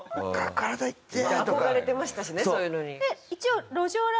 憧れてましたしねそういうのに。